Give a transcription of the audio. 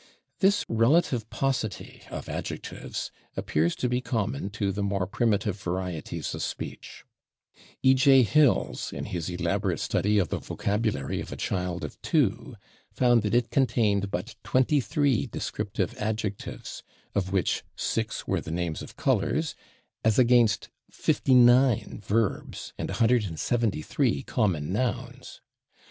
This relative paucity of adjectives appears to be common to the more primitive varieties of speech. E. J. [Pg231] Hills, in his elaborate study of the vocabulary of a child of two, found that it contained but 23 descriptive adjectives, of which six were the names of colors, as against 59 verbs and 173 common nouns.